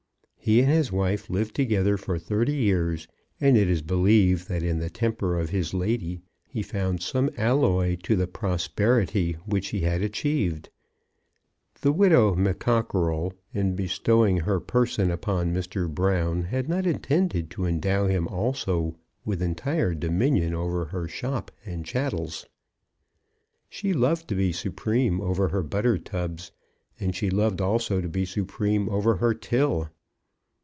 He and his wife lived together for thirty years, and it is believed that in the temper of his lady he found some alloy to the prosperity which he had achieved. The widow McCockerell, in bestowing her person upon Mr. Brown, had not intended to endow him also with entire dominion over her shop and chattels. She loved to be supreme over her butter tubs, and she loved also to be supreme over her till.